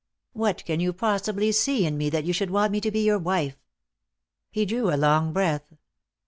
" What can you possibly see in me that you should want me to be your wife ?" He drew a long breath.